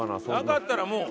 なかったらもう。